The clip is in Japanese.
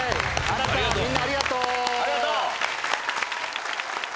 ありがとう！